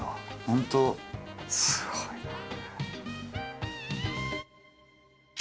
本当すごいなあ！